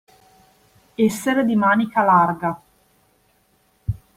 Essere di manica larga.